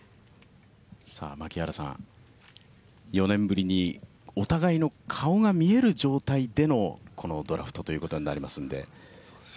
４年ぶりにお互いの顔が見える状態でのこのドラフトということになりますので。